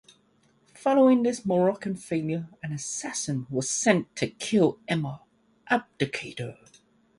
Following this Moroccan failure an assassin was sent to kill Emir Abdelkader.